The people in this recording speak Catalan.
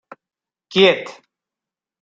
Quiet!